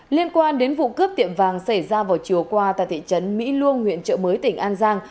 liên quan đến vụ cướp tiệm vàng xảy ra vào chiều qua tại thị trấn mỹ luông huyện trợ mới tỉnh an giang